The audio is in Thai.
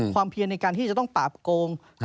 เพียรในการที่จะต้องปราบโกง